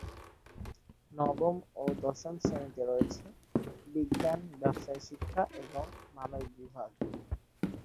নবম ও দশম শ্রেণীতে রয়েছে বিজ্ঞান, ব্যাবসায় শিক্ষা এবং মানবিক বিভাগ।